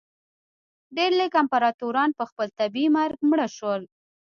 ډېر لږ امپراتوران په خپل طبیعي مرګ مړه شول.